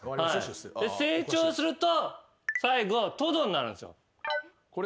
成長すると最後トドになるんすよ。